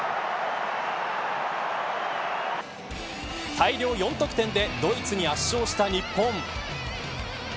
大量４得点でドイツに圧勝した日本。